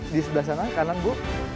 di sebelah sana kanan bu